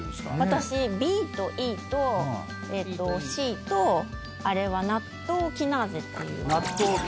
私ＢとＥとＣとあれはナットウキナーゼっていう。